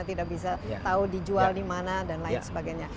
tidak bisa tahu dijual dimana dan lain sebagainya